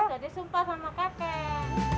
jadi sumpah sama kakek